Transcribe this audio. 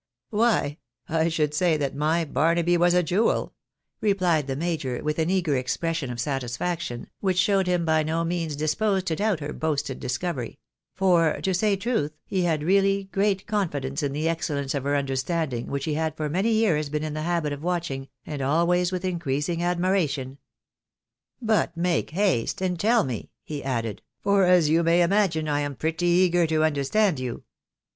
" Why, I should say that my Barnaby was a jewel," replied the major, with an eager' expression of satisfaction, which showed him by no means disposed to doubt her boasted discovery ; for, to say truth, he had really great confidence in the excellence of her understanding, which he had for many years been in the habit of watching, and always with increasing admiration. "But make haste, and tell me," he added, " for, as you may imagine, I am pretty eager to understand you."